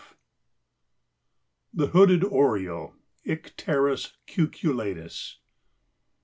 THE HOODED ORIOLE. (_Icterus cucullatus.